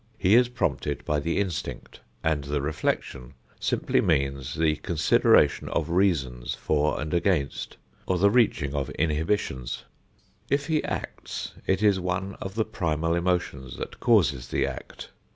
He is prompted by the instinct, and the reflection simply means the consideration of reasons for and against, or the reaching of inhibitions. If he acts, it is one of the primal emotions that causes the act.